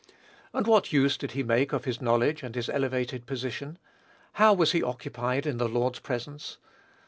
And what use did he make of his knowledge and his elevated position? How was he occupied in the Lord's presence?